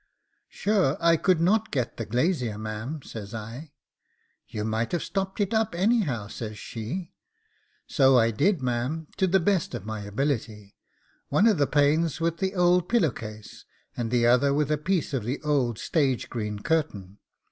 'Sure, I could not get the glazier, ma'am,' says I. 'You might have stopped it up anyhow,' says she. 'So I, did, ma'am, to the best of my ability; one of the panes with the old pillow case, and the other with a piece of the old stage green curtain.